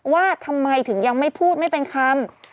ว่าทำไมถึงยังไม่พูดไม่เป็นคำ